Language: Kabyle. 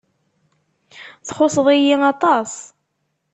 Txuṣṣeḍ-iyi aṭas.